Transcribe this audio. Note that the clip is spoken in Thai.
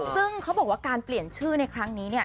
ซึ่งเขาบอกว่าการเปลี่ยนชื่อในครั้งนี้เนี่ย